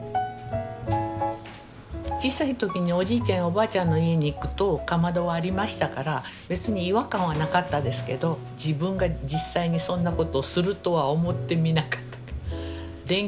小さい時におじいちゃんやおばあちゃんの家に行くとかまどはありましたから別に違和感はなかったですけど自分が実際にそんなことをするとは思ってみなかったと。